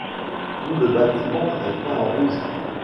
Tout le bâtiment est peint en rouge.